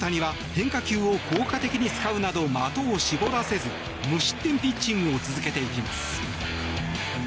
変化球を効果的に使うなど的を絞らせず無失点ピッチングを続けていきます。